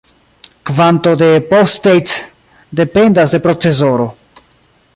Kvanto de "P-States" dependas de procesoro.